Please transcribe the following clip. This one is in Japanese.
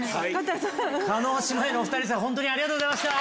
叶姉妹のお２人でした本当にありがとうございました。